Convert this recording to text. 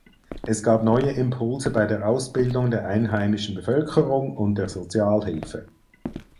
Es gab neue Impulse bei der Ausbildung der einheimischen Bevölkerung und der Sozialhilfe.